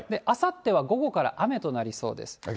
あさっては午後から雨となりそうです。